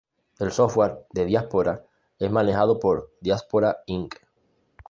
El software de Diaspora es manejado por Diaspora, Inc.